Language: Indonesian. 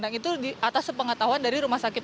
dan itu di atas sepengetahuan dari rumah sakit